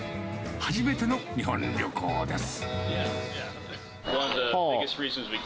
初めての日本旅行です。